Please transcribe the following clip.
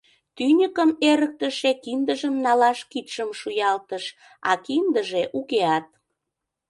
Тӱньыкым эрыктыше киндыжым налаш кидшым шуялтыш, а киндыже укеат.